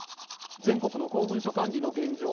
全国の公文書管理の現状。